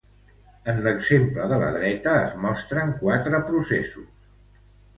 En l'exemple de la dreta, es mostren quatre processos.